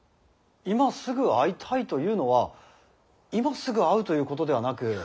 今すぐ会いたいというのは今すぐ会うということではなく。